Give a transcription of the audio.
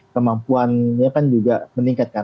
kemampuannya kan juga meningkatkan